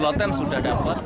slow time sudah dapat